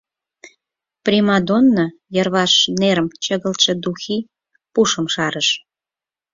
Примадонно йырваш нерым чыгылтыше духи пушым шарыш.